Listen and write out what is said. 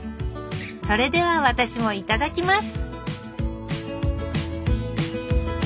それでは私もいただきます